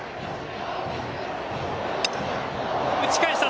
打ち返した。